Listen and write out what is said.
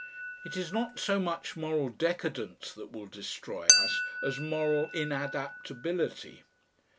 It is not so much moral decadence that will destroy us as moral inadaptability.